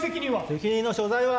・責任の所在は？